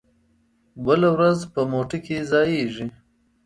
بله ورځ په مو ټه کې ځائېږي